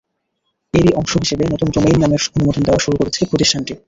এরই অংশ হিসেবে নতুন ডোমেইন নামের অনুমোদন দেওয়া শুরু করেছে প্রতিষ্ঠানটি।